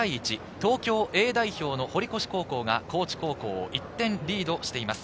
東京Ａ代表の堀越高校が高知高校を１点リードしています。